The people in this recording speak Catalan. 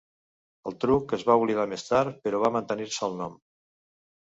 El truc es va oblidar més tard, però va mantenir-se el nom.